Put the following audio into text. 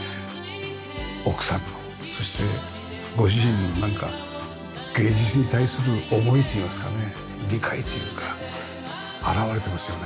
奥さんのそしてご主人のなんか芸術に対する思いといいますかね理解というか表れてますよね。